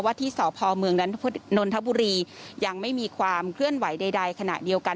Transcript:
ที่สพเมืองนนทบุรียังไม่มีความเคลื่อนไหวใดขณะเดียวกัน